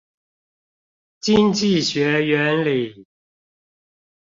經濟學原理